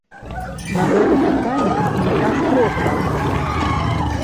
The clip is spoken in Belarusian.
На гэта пытанне не так проста адказаць.